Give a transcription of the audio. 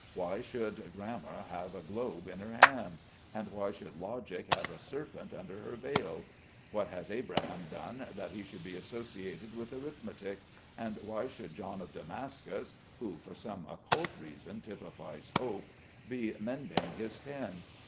Why should Grammar have a globe in her hand? and why should Logic have a serpent under her veil? What has Abraham done that he should be associated with arithmetic? and why should John of Damascus (who, for some occult reason, typifies Hope) be mending his pen?